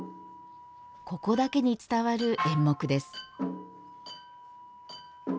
ここだけに伝わる演目です。